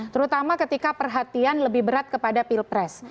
terutama ketika perhatian lebih berat kepada pilpres